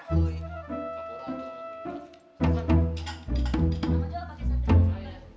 cara sama tiwat